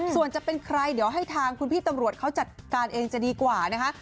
ส่วนจะเป็นใครเดี๋ยวให้ทางคุณพี่ตำรวจเขาจัดการเองจะดีกว่านะคะ